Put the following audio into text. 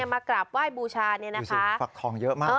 มากลับว่ายบูชาเนี่ยนะคะ